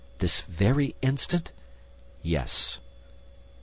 "This very instant?" "Yes."